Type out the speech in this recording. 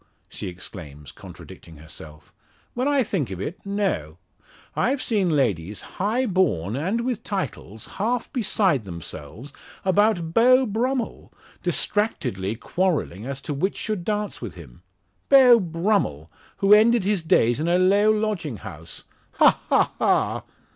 she exclaims, contradicting herself, "when I think of it, no. I've seen ladies, high born, and with titles, half beside themselves about Beau Brummel, distractedly quarrelling as to which should dance with him! Beau Brummel, who ended his days in a low lodging house! Ha! ha! ha!"